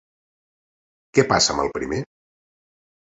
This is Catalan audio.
Què passa amb el primer?